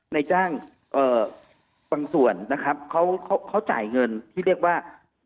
ในจ้างบางส่วนนะครับเขาจ่ายเงินที่เรียกว่า